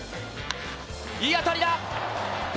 いい当たりだ！